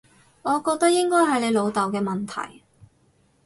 我覺得應該係你老豆嘅問題